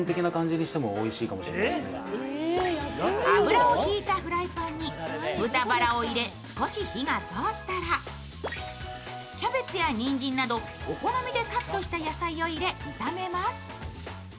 油を引いたフライパンに豚バラを入れ、少し火が通ったらキャベツやにんじんなどお好みでカットした野菜を入れ、炒めます。